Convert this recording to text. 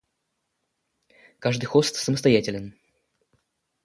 Каждый хост самостоятелен